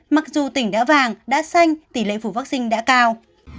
mặc dù tỉnh đã vàng đã xanh tỷ lệ phủ vaccine đã cao